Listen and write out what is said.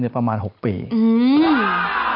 เนี่ยประมาณ๖ปี